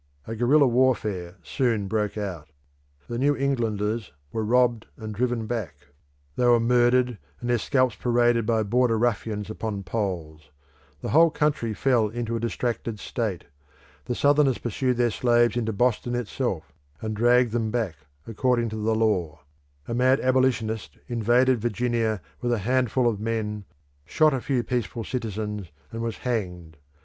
A guerrilla warfare soon broke out; the New Englanders were robbed and driven back; they were murdered, and their scalps paraded by Border ruffians upon poles. The whole country fell into a distracted state. The Southerners pursued their slaves into Boston itself, and dragged them back, according to the law. A mad abolitionist invaded Virginia with a handful of men, shot a few peaceful citizens, and was hanged.